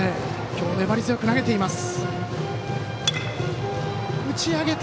今日、粘り強く投げています。